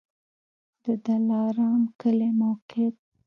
د دلارام کلی موقعیت